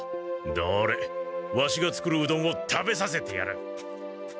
どれワシが作るうどんを食べさせてやる。